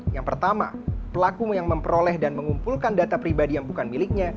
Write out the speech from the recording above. yang pertama pelaku yang memperoleh dan mengumpulkan data pribadi yang bukan miliknya